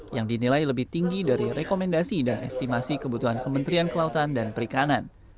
yang dinilai lebih tinggi dari rekomendasi dan estimasi kebutuhan kementerian kelautan dan perikanan